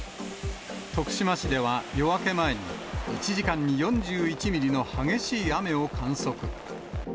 徳島市では夜明け前に１時間に４１ミリの激しい雨を観測。